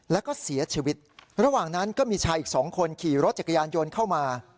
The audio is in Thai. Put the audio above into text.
แล้วก็เสียชีวิตระหว่างนั้นก็มีชายอีกสองคนขี่รถจักรยานยนต์เข้ามา